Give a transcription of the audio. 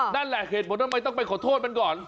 นั่นแหละเหตุผลทำไมต้องไปขอโทษมันก่อน